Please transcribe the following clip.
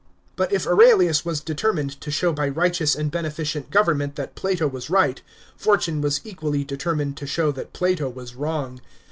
But if Aurelius was determined to show by righteous and bene ficent government that Plato was right, fortune was equally deter mined to show that Plato was wrong.